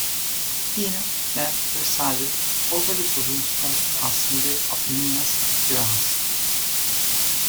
Pena then presided over the provincial assembly of Minas Gerais.